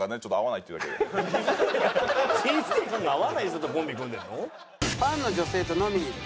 人生観が合わない人とコンビ組んでるの？